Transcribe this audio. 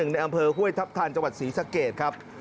ในอำเภอห้วยทัพทันจังหวัดศรีสะเกดครับ